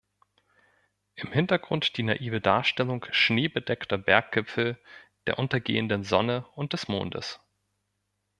Im Hintergrund die naive Darstellung schneebedeckter Berggipfel, der untergehenden Sonne und des Mondes.